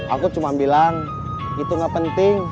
aku cuma bilang itu gak penting